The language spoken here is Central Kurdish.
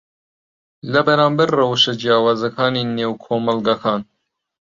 لەبەرامبەر ڕەوشە جیاوازەکانی نێو کۆمەڵگەکان